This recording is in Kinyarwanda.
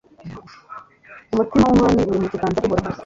umutima w'umwami uri mu kiganza cy'uhoraho